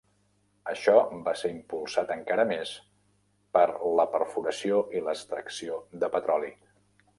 Això va ser impulsat encara més per la perforació i l'extracció de petroli.